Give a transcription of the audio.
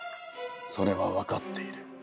それは分かっている。